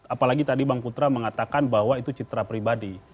apalagi tadi bang putra mengatakan bahwa itu citra pribadi